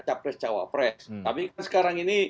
capres capres tapi sekarang ini